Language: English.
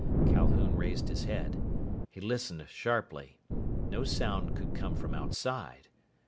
Calhoun raised his head. He listened sharply. No sound could come from outside.